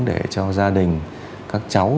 để cho gia đình các cháu